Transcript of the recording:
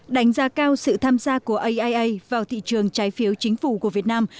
đánh giá cao sự tham gia của aia vào thị trường trái phiếu chính phủ của việt nam